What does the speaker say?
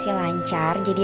tidak ada tik